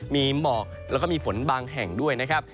มีหมอกแล้วก็มีฝนบางแห่งด้วยนะครับ